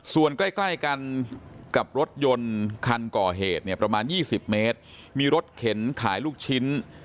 ส่วนใกล้ใกล้กันกับรถยนต์คันก่อเหตุเนี่ยประมาณ๒๐เมตรมีรถเข็นขายลูกชิ้น